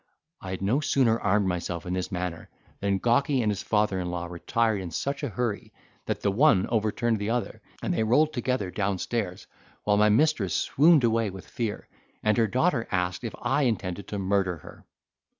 I had no sooner armed myself in this manner, than Gawky and his father in law retired in such a hurry, that the one overturned the other, and they rolled together down stairs, while my mistress swooned away with fear, and her daughter asked if I intended to murder her.